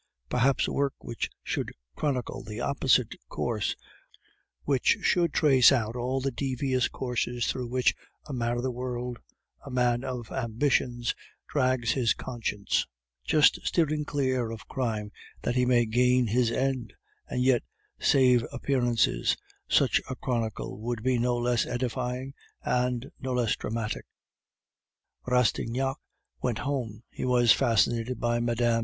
Perhaps a work which should chronicle the opposite course, which should trace out all the devious courses through which a man of the world, a man of ambitions, drags his conscience, just steering clear of crime that he may gain his end and yet save appearances, such a chronicle would be no less edifying and no less dramatic. Rastignac went home. He was fascinated by Mme.